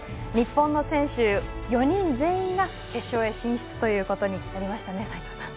日本の選手４人全員が決勝へ進出ということになりましたね。